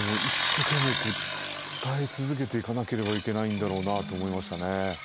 一生懸命伝え続けていかなければいけないんだろうなと思いましたね。